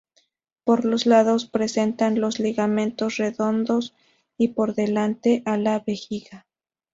Por los lados presenta los ligamentos redondos y por delante a la vejiga.